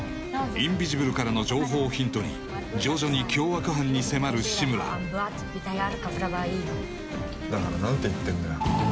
インビジブルからの情報をヒントに徐々に凶悪犯に迫る志村だから何て言ってんだよ